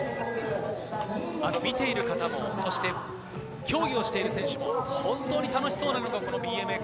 見ている方も競技をしている選手も、本当に楽しそうなのがＢＭＸ